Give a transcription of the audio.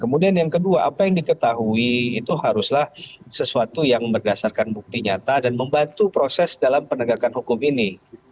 kemudian yang kedua apa yang diketahui itu haruslah sesuatu yang berdasarkan bukti nyata dan membantu proses dalam penegakan hukum ini